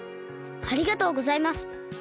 ありがとうございます。